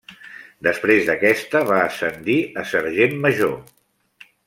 Després d'aquesta, va ascendir a sergent major.